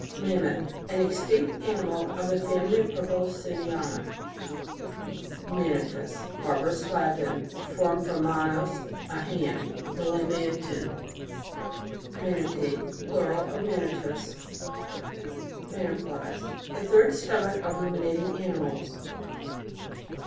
MAMMOTH. An extinct animal of the family of Proboscidiana. MANATUS. Barbarous Latin, formed from manus, a hand. The Lam antin. (See page 124.) MANATI.I Plural of Manatus. MANYPLIES. The third stomach of ruminating animals.